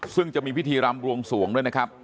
ซึ่งจะมีพิธีรำบวงสวงด้วยนะครับ